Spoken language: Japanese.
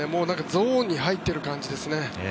ゾーンに入っている感じですね。